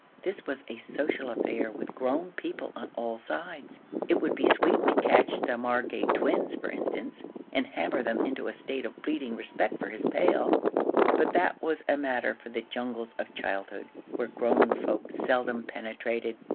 This was a social affair, with grown people on all sides. It would be sweet to catch the Margate twins, for instance, and hammer them into a state of bleating respect for his pail; but that was a matter for the jungles of childhood, where grown folk seldom penetrated.